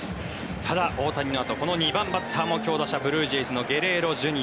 ただ大谷のあとこの２番バッターも強打者、ブルージェイズのゲレーロＪｒ．。